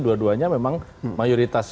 dua duanya memang mayoritas